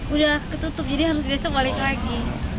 udah ketutup jadi harus besok balik lagi